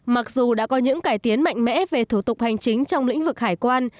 mặc dù đã có những cải tiến mạnh mẽ về thủ tục hành chính trong lĩnh vực hải quan